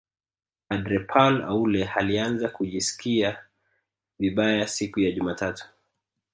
padre Paul Haule alianza kujisikia vibaya siku ya jumatatu